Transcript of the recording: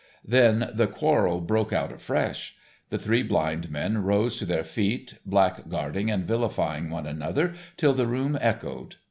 Then the quarrel broke out afresh. The three blind men rose to their feet, blackguarding and vilifying one another till the room echoed.